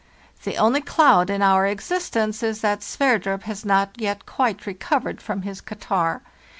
The only cloud in our existence is that Sverdrup has not yet quite recovered from his catarrh.